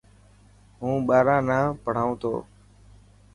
هون ٻاران نا پهڙائون ٿو.